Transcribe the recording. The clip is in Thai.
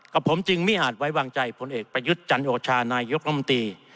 ผมจึงไม่อาจไว้วางใจผลเอกประยุทธ์จันโอชานายกรมตรี